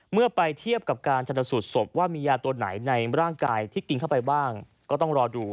เมื่อไปเทียบกับการชนสูตรศพว่ามียาตัวไหนในร่างกายที่กินเข้าไปบ้างก็ต้องรอดู